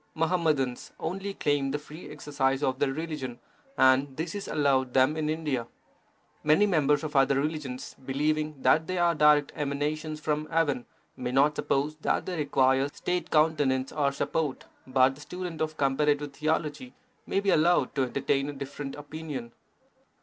Muhammadans only claim the free exercise of their religion, and this is allowed them in India. Many members of other religions, believing that they are direct emanations from heaven, may not suppose that they require State countenance or support, but the student of comparative theology must be allowed to entertain a different opinion.